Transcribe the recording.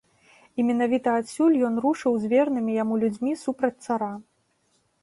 І менавіта адсюль ён рушыў з вернымі яму людзьмі супраць цара.